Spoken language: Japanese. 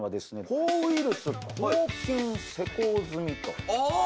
抗ウイルス抗菌施工済みとああ！